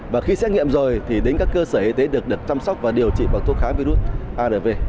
và khi xét nghiệm rồi thì đến các cơ sở y tế được chăm sóc và điều trị bằng thuốc kháng virus arv